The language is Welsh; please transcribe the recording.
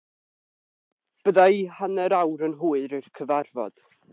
Bydda i hanner awr yn hwyr i'r cyfarfod.